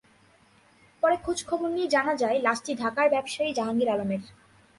পরে খোঁজ খবর নিয়ে জানা যায়, লাশটি ঢাকার ব্যবসায়ী জাহাঙ্গীর আলমের।